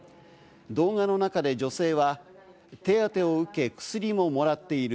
動画の中で女性は手当てを受け薬ももらっている。